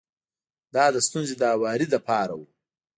دا د ستونزې د هواري لپاره و.